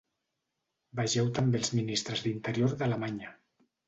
Vegeu també els ministres d'interior d'Alemanya.